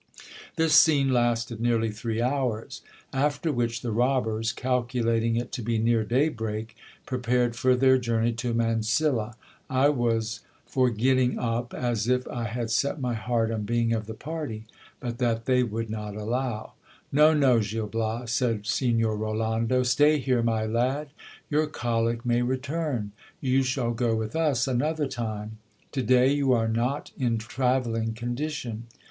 This scene lasted nearly three hours. After which the robbers, calculating it to be near day break, prepared for their journey to Mansilla. I was for get ting up, as if I had set my heart on being of the party ; but that they would not allow. No, no, Gil Bias, said Signor Rolando, stay here, my lad ; your colic may return. You shall go with us another time ; to day you are not in travel ling condition.